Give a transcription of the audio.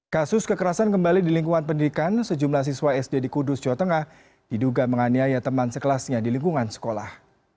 kasus kekerasan kembali di lingkungan pendidikan sejumlah siswa sd di kudus jawa tengah diduga menganiaya teman sekelasnya di lingkungan sekolah